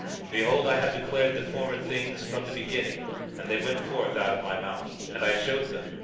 20:3 Behold, I have declared the former things from the beginning; and they went forth out of my mouth, and I showed them.